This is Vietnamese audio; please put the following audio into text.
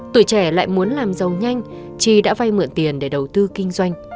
tuổi trẻ lại muốn làm giàu nhanh chi đã vay mượn tiền để đầu tư kinh doanh